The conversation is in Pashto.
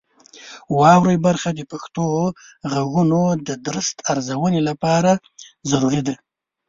واورئ برخه د پښتو غږونو د درست ارزونې لپاره ضروري ده.